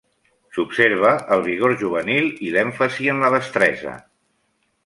S'observa el vigor juvenil i l'èmfasi en la destresa.